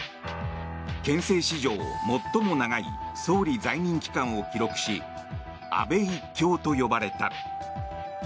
憲政史上最も長い総理在任期間を記録し安倍一強と呼ばれた。